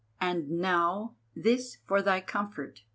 "And now, this for thy comfort.